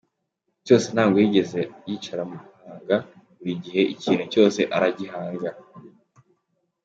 cyose ntabwo yigeze yicara mu guhanga, buri gihe ikintu cyose aragihanga.